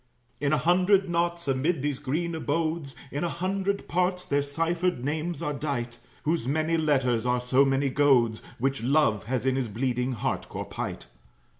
In a hundred knots, amid these green abodes, In a hundred parts, their ciphered names are dight; Whose many letters are so many goads, Which Love has in his bleeding heart core pight.